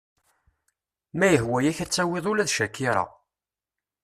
Ma yehwa-yak ad tawiḍ ula d CHAKIRA.